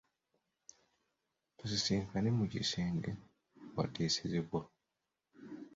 Tusisinkane mu kisenge awateesezebwa?